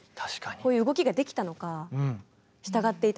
こういう動きができたのか従っていたのか。